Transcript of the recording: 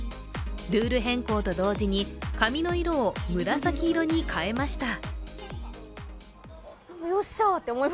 ルール変更と同時に髪の色を紫色に変えました。